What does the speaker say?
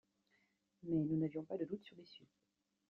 Mais nous n'avions pas de doute sur l'issue.